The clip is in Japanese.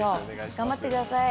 頑張ってください。